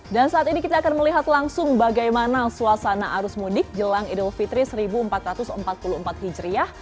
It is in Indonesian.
dan saat ini kita akan melihat langsung bagaimana suasana arus mudik jelang idul fitri seribu empat ratus empat puluh empat hijriah